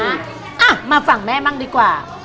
อะมาฝั่งแม่มั่นดีกว่า